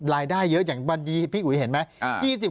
รายได้เยอะอย่างวันนี้พี่อุ๋ยเห็นไหม